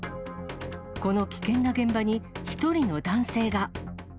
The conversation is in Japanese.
この危険な現場に、１人の男性が。